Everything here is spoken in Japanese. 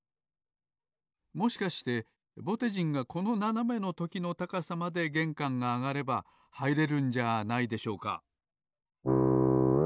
もしかしてぼてじんがこのななめのときの高さまでげんかんがあがればはいれるんじゃないでしょうか？